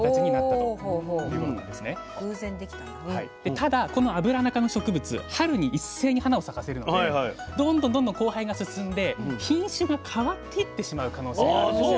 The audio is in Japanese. ただこのアブラナ科の植物春に一斉に花を咲かせるのでどんどんどんどん交配が進んで品種が変わっていってしまう可能性があるんですよ。